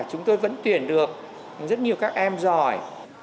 chúng tôi vẫn tuyển được rất nhiều các em giỏi